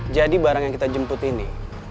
jadi barang yang kita jemput ini